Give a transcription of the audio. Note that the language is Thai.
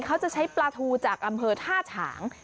เขาจะใช้ปลาทูจากอำเภอท่าฉาง